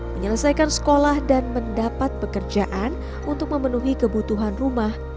menyelesaikan sekolah dan mendapat pekerjaan untuk memenuhi kebutuhan rumah